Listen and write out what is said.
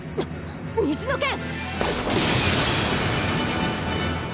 水の剣⁉